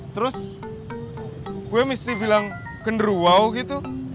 terus gue mesti bilang genderuau gitu